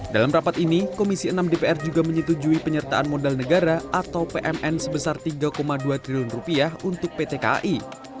dalam rapat ini komisi enam dpr juga menyetujui penyertaan modal negara atau pmn sebesar rp tiga dua triliun rupiah untuk pt kai